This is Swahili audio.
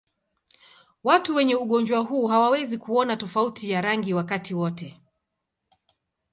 Watu wenye ugonjwa huu hawawezi kuona tofauti ya rangi wakati wote.